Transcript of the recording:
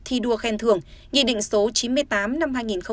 thi đua khen thưởng ghi định số